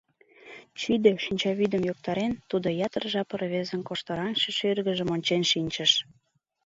Чӱдӧ шинчавӱдым йоктарен, тудо ятыр жап рвезын коштыраҥше шӱргыжым ончен шинчыш.